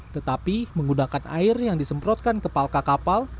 tetapi menggunakan air yang disemprotkan ke palka kapal